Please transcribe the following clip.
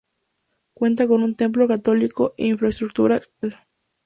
Cuenta con un templo católico e infraestructura cloacal.